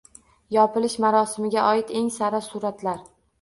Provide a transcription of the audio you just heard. Yopilish marosimiga oid eng sara suratlar